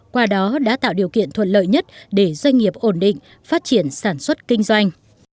qua đó đã tạo điều kiện thuận lợi nhất để doanh nghiệp ổn định phát triển sản xuất kinh doanh